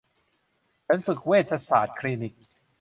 ฉันฝึกเวชศาสตร์คลินิก